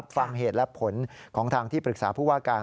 ฟังเหตุและผลของทางที่ปรึกษาผู้ว่าการ